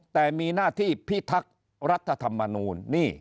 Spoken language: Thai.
แต่มีหน้าที่พิทักษ์รัฐธรรมนูล